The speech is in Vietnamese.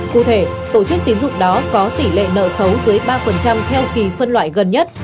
cụ thể tổ chức tín dụng đó có tỷ lệ nợ xấu dưới ba theo kỳ phân loại gần nhất